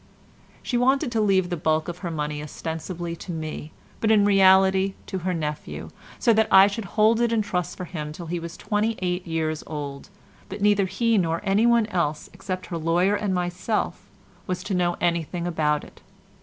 She wanted to leave the bulk of her money ostensibly to me, but in reality to her nephew, so that I should hold it in trust for him till he was twenty eight years old, but neither he nor anyone else, except her lawyer and myself, was to know anything about it.